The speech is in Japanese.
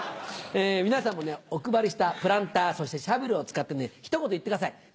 皆さんも、お配りしたプランター、そしてシャベルを使ってね、ひと言言ってください。